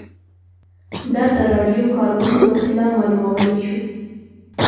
دا د راډیو کاربن په وسیله معلومولای شو